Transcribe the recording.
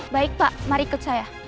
baik pak mari ikut saya